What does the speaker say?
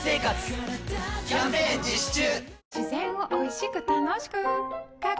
キャンペーン実施中！